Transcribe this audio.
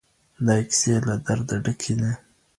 دا کيسې له درده ډکې دي.